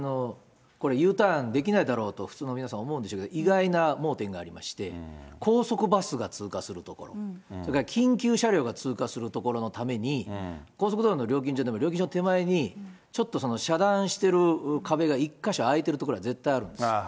これ、Ｕターンできないだろうと、普通の皆さん、思うんでしょうけど、意外な盲点がありまして、高速バスが通過するところ、それから緊急車両が通過する所のために、高速道路の料金所でも、料金所手前に、ちょっと遮断してる壁が１か所開いてる所が絶対あるんです。